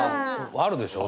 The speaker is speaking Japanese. あるでしょ？